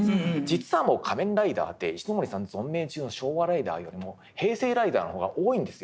実はもう仮面ライダーって石森さん存命中の昭和ライダーよりも平成ライダーの方が多いんですよ。